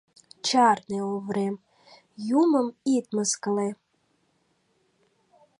Чарне, Оврем, юмым ит мыскыле.